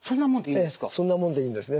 ええそんなもんでいいんですね。